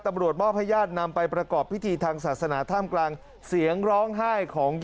ตำรวจบ้อพญาตินำไปประกอบพิธีทางศาสนาท่ามกลาง